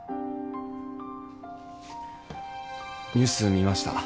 ニュース見ました。